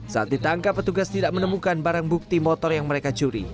saat ditangkap petugas tidak menemukan barang bukti motor yang mereka curi